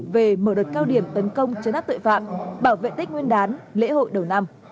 về mở đợt cao điểm tấn công chấn áp tội phạm bảo vệ tích nguyên đán lễ hội đầu năm